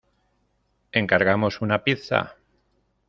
¿Encargamos una pizza?